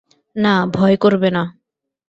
না ভয় করবে না।